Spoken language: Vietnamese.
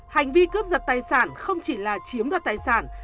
hành vi cướp giật tài sản không chỉ là chiếm đoạt tài sản